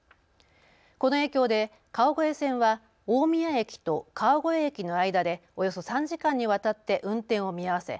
この影響で川越線は大宮駅と川越駅の間でおよそ３時間にわたって運転を見合わせ